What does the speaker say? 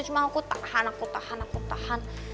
cuma aku tahan aku tahan aku tahan